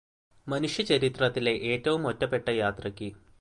മനുഷ്യ ചരിത്രത്തിലെ ഏറ്റവും ഒറ്റപ്പെട്ട യാത്രക്ക്